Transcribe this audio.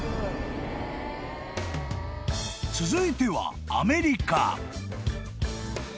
［続いては］